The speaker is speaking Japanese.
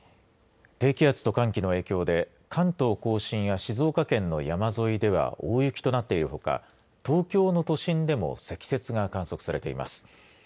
低気圧と寒気の影響で関東甲信や静岡県の山沿いでは大雪となっているほか東京の都心でも積雪が観測されています。